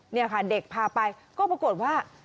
นี่ค่ะเด็กพาไปก็ปรากฏว่า